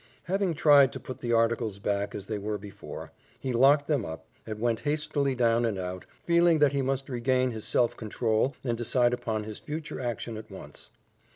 Having tried to put the articles back as they were before, he locked them up, and went hastily down and out, feeling that he must regain his self control and decide upon his future action at once.